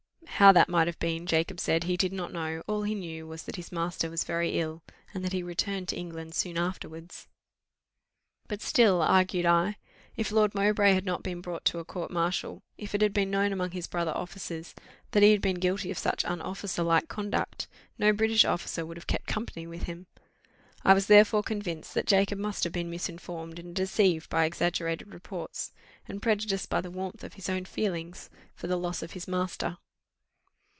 How that might have been, Jacob said, he did not know all he knew was that his master was very ill, and that he returned to England soon afterwards. But still, argued I, if Lord Mowbray had not been brought to a court martial, if it had been known among his brother officers that he had been guilty of such unofficer like conduct, no British officer would have kept company with him. I was therefore convinced that Jacob must have been misinformed and deceived by exaggerated reports, and prejudiced by the warmth of his own feelings for the loss of his master.